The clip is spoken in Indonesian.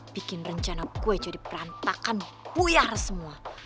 bikin rencana gue jadi perantakan puyar semua